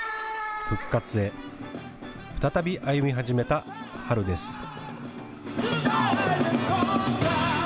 復活へ再び歩み始めた春です。